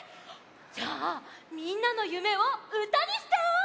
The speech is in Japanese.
じゃあみんなのゆめをうたにしちゃおう！